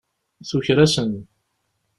Tuker-asen.